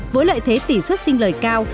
với lợi thế tỉ suất sinh lời cao